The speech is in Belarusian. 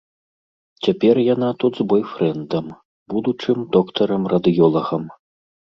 Цяпер яна тут з бойфрэндам, будучым доктарам-радыёлагам.